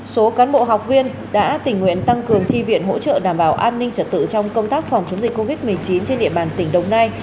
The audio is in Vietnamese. số cán bộ học viên đã tình nguyện tăng cường tri viện hỗ trợ đảm bảo an ninh trật tự trong công tác phòng chống dịch covid một mươi chín trên địa bàn tỉnh đồng nai